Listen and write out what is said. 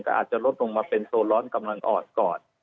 แต่อาจจะลดลงมาเป็นโซนร้อนกำลังอ่อนก่อน